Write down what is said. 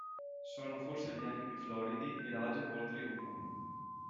Sono forse gli anni più floridi di Radio Voltri Uno.